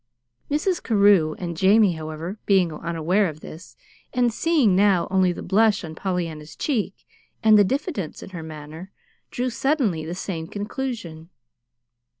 Mrs. Carew and Jamie, however, being unaware of this, and seeing now only the blush on Pollyanna's cheek and the diffidence in her manner, drew suddenly the same conclusion.